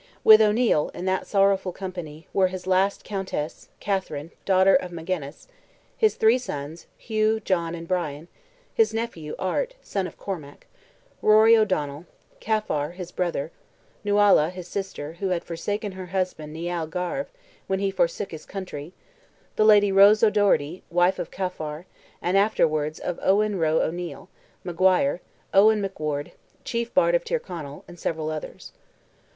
With O'Neil, in that sorrowful company, were his last countess, Catherine, daughter of Magenniss, his three sons, Hugh, John, and Brian; his nephew, Art, son of Cormac, Rory O'Donnell, Caffar, his brother, Nuala, his sister, who had forsaken her husband Nial Garve, when he forsook his country; the lady Rose O'Doherty, wife of Caffar, and afterwards of Owen Roe O'Neil; Maguire, Owen MacWard, chief bard of Tyrconnell, and several others.